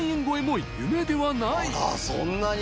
そんなに。